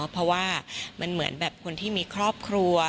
เพราะว่ามันเหมือนแบบคนที่มีครอบครัว